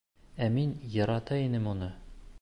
Ә мин ярата инем уны.